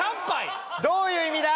・どういう意味だ？